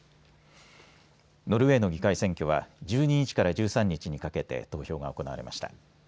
ノルウェーの議会選挙は１２日から１３日にかけて投票が行われました。